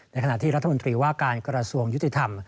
ขณะที่รัฐมนตรีว่าการกระทรวงยุติธรรม